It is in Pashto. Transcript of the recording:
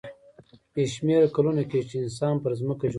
بې شمېره کلونه کېږي چې انسان پر ځمکه ژوند کوي.